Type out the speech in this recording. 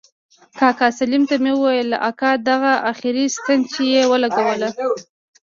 کاکا سالم ته مې وويل اكا دغه اخري ستن چې يې راولګوله.